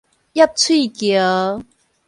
挹翠橋